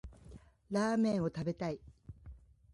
ラーメンを食べたい。